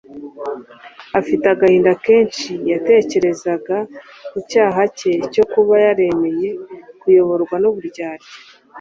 Afite agahinda kenshi yatekerezaga ku cyaha cye cyo kuba yaremeye kuyoborwa n’uburyarya